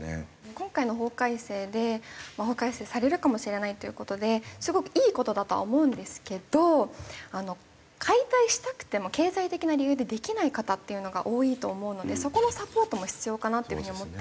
今回の法改正で法改正されるかもしれないという事ですごくいい事だとは思うんですけど解体したくても経済的な理由でできない方っていうのが多いと思うのでそこのサポートも必要かなっていう風に思っていて。